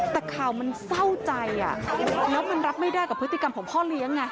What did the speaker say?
แต่ข่าวมันเศร้าใจแล้วมันรับไม่ได้กับพฤติกรรมของพ่อเลี้ยงไง